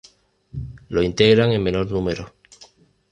Lo integran en menor número.